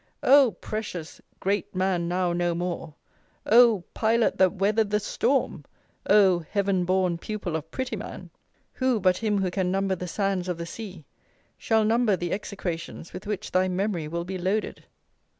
Oh! precious "Great Man now no more!" Oh! "Pilot that weathered the Storm!" Oh! "Heaven born" pupil of Prettyman! Who, but him who can number the sands of the sea, shall number the execrations with which thy memory will be loaded!